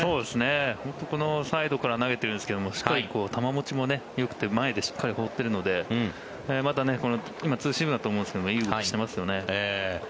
本当にサイドから投げてるんですけどすごい球持ちもよくて前でしっかり放っているのでまた、今、ツーシームだと思うんですけどいい動きをしてますよね。